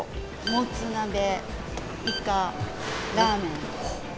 もつ鍋、イカ、ラーメン。